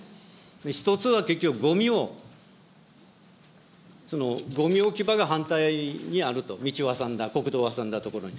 １つは結局ごみを、ごみ置き場が反対にあると、道を挟んだ、国道を挟んだところに。